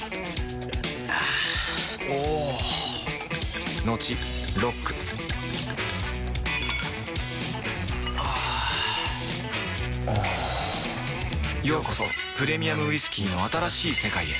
あぁおぉトクトクあぁおぉようこそプレミアムウイスキーの新しい世界へ